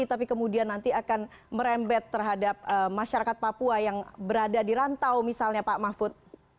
tapi kemudian nanti akan merembet terhadap masyarakat papua yang berada di rantau misalnya pak mahfud